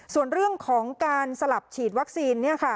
ส่วนเรื่องของการสลับฉีดวัคซีน